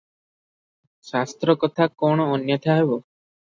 ଶାସ୍ତ୍ର କଥା କଣ ଅନ୍ୟଥା ହେବ?